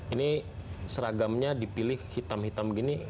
ini seragamnya dipilih hitam hitam begini